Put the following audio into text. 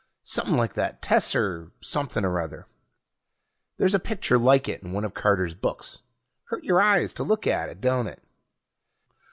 Somepin' like that tesser something or other. There's a picture like it in one of Carter's books. Hurts your eyes to look at it, don't it?